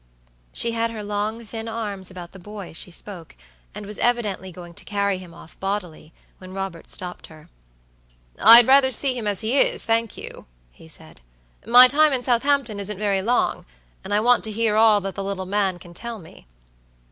She had her long, thin arms about the boy as she spoke, and she was evidently going to carry him off bodily, when Robert stopped her. "I'd rather see him as he is, thank you," he said. "My time in Southampton isn't very long, and I want to hear all that the little man can tell me."